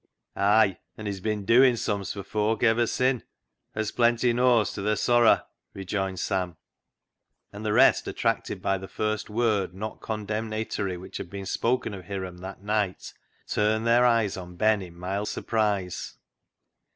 Ay, an' he's bin doin' sums for folk ever sin', as plenty knows ta the'r sorra," rejoined Sam, and the rest, attracted by the first word not condemnatory which had been spoken of Hiram that night, turned their eyes on Ben in mild surprise.